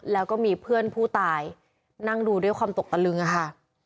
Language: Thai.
แล้วก็มีเพื่อนผู้ตายนั่งดูด้วยความตกตะลึงอะค่ะ